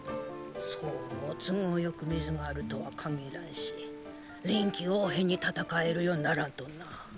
そう都合よく水があるとはかぎらんし臨機応変に戦えるようにならんとな。